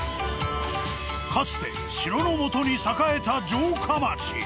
かつて城の下に栄えた城下町。